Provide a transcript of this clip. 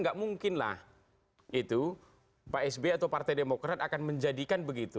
gak mungkinlah itu pak sby atau partai demokrat akan menjadikan begitu